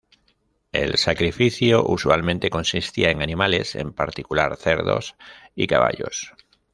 El sacrificio usualmente consistía en animales, en particular cerdos y caballos.